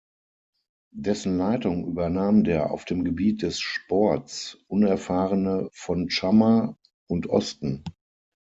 Dessen Leitung übernahm der auf dem Gebiet des Sports unerfahrene von Tschammer und Osten.